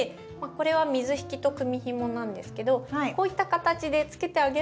これは水引と組みひもなんですけどこういった形でつけてあげると。わすごい！